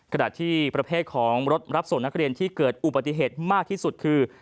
ขณะที่ประเภทของรถรับส่งนักเรียนที่เกิดอุบัติเหตุมากที่สุดคือ